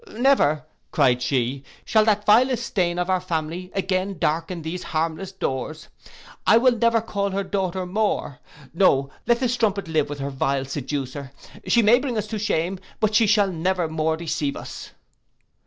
'Never,' cried she, 'shall that vilest stain of our family again darken those harmless doors. I will never call her daughter more. No, let the strumpet live with her vile seducer: she may bring us to shame but she shall never more deceive us.